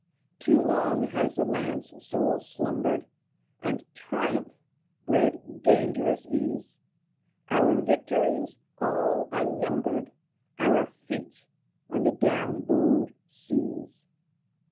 Too long has the land's soul slumbered, And triumph bred dangerous ease, Our victories all unnumbered, Our feet on the down bowed seas.